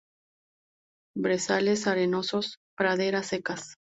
Brezales arenosos, praderas secas.